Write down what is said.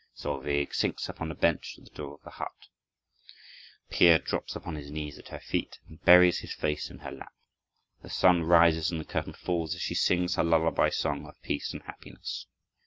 Solveig sinks upon a bench at the door of the hut. Peer drops upon his knees at her feet and buries his face in her lap. The sun rises and the curtain falls as she sings her lullaby song of peace and happiness.